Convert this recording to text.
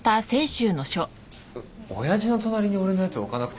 親父の隣に俺のやつ置かなくてもいいだろ。